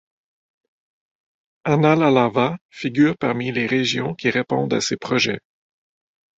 Analalava figure parmi les régions qui répondent à ces projets.